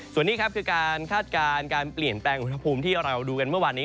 ส่วนนี้ครับคือการคาดการณ์การเปลี่ยนแปลงอุณหภูมิที่เราดูกันเมื่อวานนี้